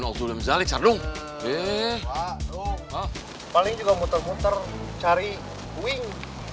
na'udzululamzalik sardung eh pak dong paling juga muter muter cari wing